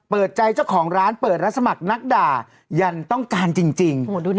เปิดใจเจ้าของร้านเปิดรับสมัครนักด่ายันต้องการจริง